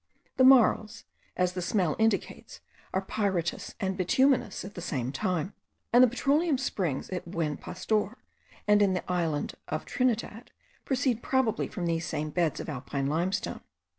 The marls, as the smell indicates, are pyritous and bituminous at the same time; and the petroleum springs at the Buen Pastor, and in the island of Trinidad, proceed probably from these same beds of alpine limestone.